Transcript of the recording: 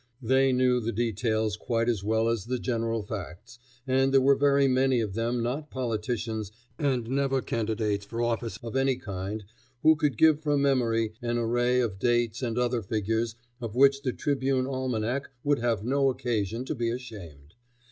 They knew the details quite as well as the general facts, and there were very many of them not politicians and never candidates for office of any kind who could give from memory an array of dates and other figures of which the Tribune Almanac would have no occasion to be ashamed.